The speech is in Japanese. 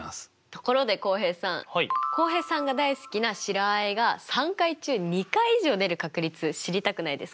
ところで浩平さん浩平さんが大好きな白あえが３回中２回以上出る確率知りたくないですか？